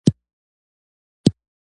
زما دوکان په بازار کې ده.